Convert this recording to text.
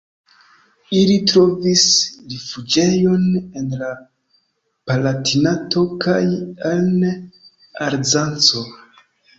Ili trovis rifuĝejon en la Palatinato kaj en Alzaco.